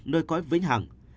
nơi cõi vĩnh hẳng